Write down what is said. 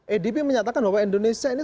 adb menyatakan bahwa indonesia ini